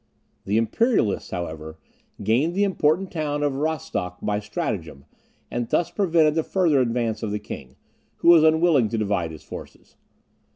The Imperialists, however, gained the important town of Rostock by stratagem, and thus prevented the farther advance of the king, who was unwilling to divide his forces.